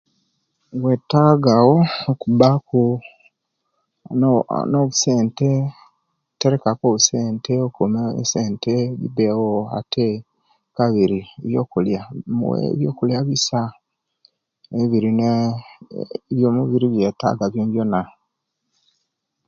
Wetaagawo okubaku nobu nobusente terekaku obusente okuuma esente jibewo ate kabiri ebyo'kulya omuwe ebyo'kulya ebisa ebirinaa byo'mubiri byetaaga byonabyona.